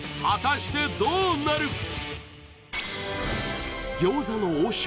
果たしてどうなる？